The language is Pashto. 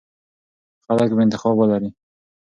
خلک به انتخاب ولري.